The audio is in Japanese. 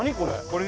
これ。